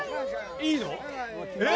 いいの？